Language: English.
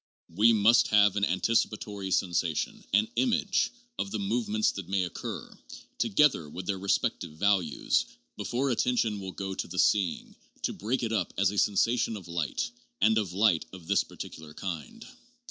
We must have an anticipatory sensation, an image, of the movements that may occur, together with their respective values, before attention will go to the seeing to break it up as a sensation of light, and of light of this particular kind.